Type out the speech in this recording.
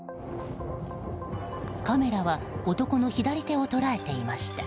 カメラは男の左手を捉えていました。